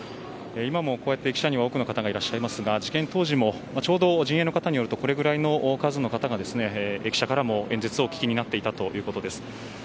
今、駅舎に多くの方がいらっしゃいますが事件当時も陣営の方によるとこれぐらいの数の方が演説をお聞きになっていたということです。